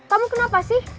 kamu kenapa sih